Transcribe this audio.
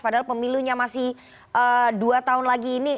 padahal pemilunya masih dua tahun lagi ini